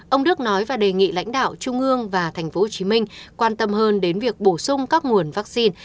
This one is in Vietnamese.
ông đức nói và đề nghị lãnh đạo trung ương và tp hcm quan tâm hơn đến việc bổ sung các nguồn vaccine